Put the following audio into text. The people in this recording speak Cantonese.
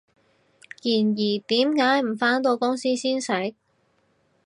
然而，點解唔返到公司先食？